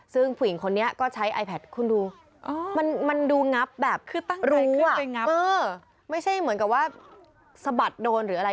ซึ่งผู้หญิงคนนี้ก็ใช้ไอแพทคุณดูมันดูงับแบบคือตั้งรู้ไม่ใช่เหมือนกับว่าสะบัดโดนหรืออะไร